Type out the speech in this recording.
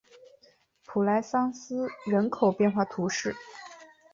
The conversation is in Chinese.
普莱桑斯人口变化图示